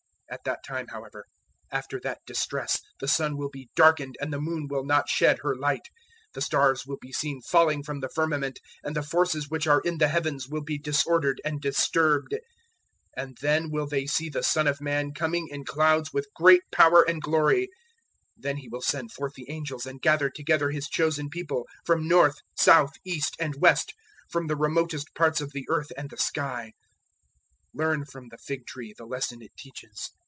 013:024 "At that time, however, after that distress, the sun will be darkened and the moon will not shed her light; 013:025 the stars will be seen falling from the firmament, and the forces which are in the heavens will be disordered and disturbed. 013:026 And then will they see the Son of Man coming in clouds with great power and glory. 013:027 Then He will send forth the angels and gather together His chosen People from north, south, east and west, from the remotest parts of the earth and the sky. 013:028 "Learn from the fig tree the lesson it teaches.